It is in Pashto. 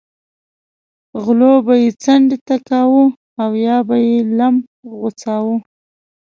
غلو به یې څنډې ته کاوه او یا به یې لم غوڅاوه.